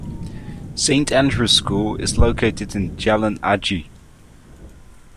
Saint Andrew's School is located in Jalan Hj.